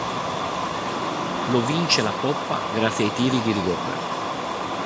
Lo vince la coppa grazie ai tiri di rigore.